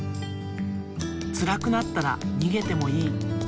つらくなったらにげてもいい。